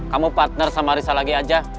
kamu partner sama risa lagi aja